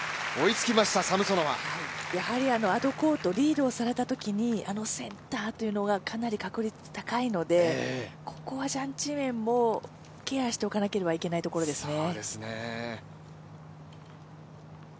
やはりアドコートリードされたときにセンターというのがかなり確率高いのでここはジャン・チンウェンもケアしておかなければいけないところですね。